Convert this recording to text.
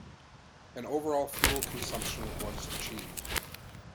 An overall fuel consumption of was achieved.